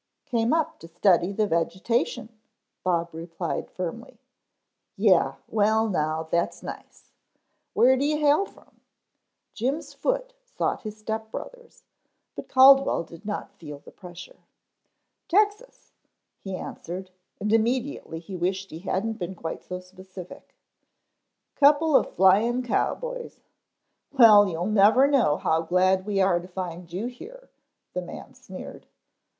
"Came up to study the vegetation," Bob replied firmly. "Yeh. Well now, that's nice. Where do you hail from?" Jim's foot sought his step brother's, but Caldwell did not feel the pressure. "Texas," he answered, and immediately he wished he hadn't been quite so specific. "Couple of flying cowboys. Well, you'll never know how glad we are to find you here," the man sneered.